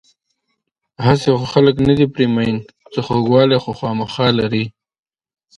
هسې خو خلک نه دي پرې مین، څه خوږوالی خو خوامخا لري.